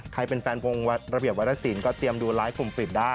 ใครเป็นแฟนวงระเบียบวรสินก็เตรียมดูไลฟ์กลุ่มปิดได้